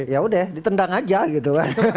ya udah ditendang aja gitu kan